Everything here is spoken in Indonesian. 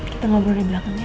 kita ngobrol di belakangnya